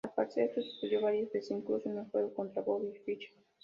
Al parecer, esto sucedió varias veces, incluso en un juego contra Bobby Fischer.